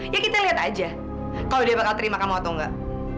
ya kita lihat aja kalau dia bakal terima kamu atau enggak